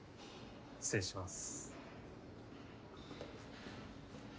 失礼します。